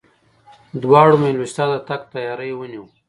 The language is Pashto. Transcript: دواړو مېلمستیاوو ته د تګ تیاری ونیو.